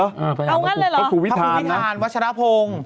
เอางั้นเลยเหรอพระคุณพิธานวัชรพงศ์